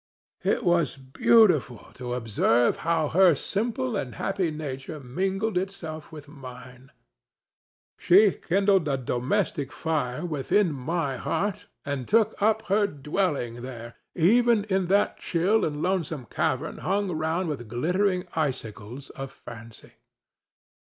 —It was beautiful to observe how her simple and happy nature mingled itself with mine. She kindled a domestic fire within my heart and took up her dwelling there, even in that chill and lonesome cavern hung round with glittering icicles of fancy.